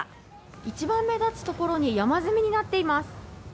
一番目立つところに、山積みになっています。